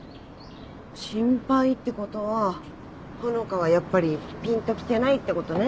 心配ってことは穂香はやっぱりぴんときてないってことね